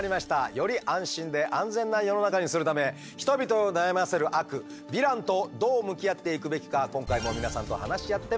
より安心で安全な世の中にするため人々を悩ませる悪ヴィランとどう向き合っていくべきか今回も皆さんと話し合ってまいりましょう。